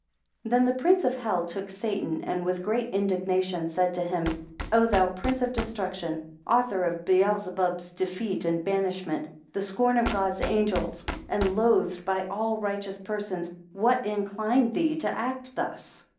THEN the prince of hell took Satan, and with great indignation said to him, O thou prince of destruction, author of Beelzebub's defeat and banishment, the scorn of God's angels and loathed by all righteous persons! What inclined thee to act thus?